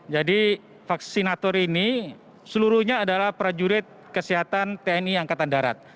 jadi vaksinator ini seluruhnya adalah prajurit kesehatan tni angkatan darat